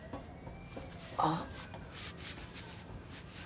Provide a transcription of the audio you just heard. あっ。